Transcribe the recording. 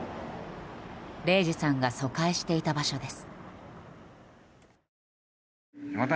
零士さんが疎開していた場所です。